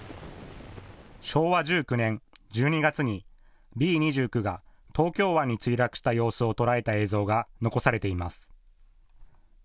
昭和１９年１２月にＢ２９が東京湾に墜落した様子を捉えた映像が残されています。